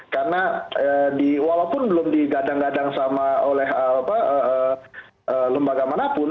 karena walaupun belum digadang gadang sama oleh lembaga manapun